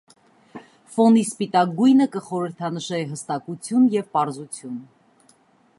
Ֆօնի սպիտակ գույնը կը խորհրդանշէ յստակութիւն ու պարզութիւն։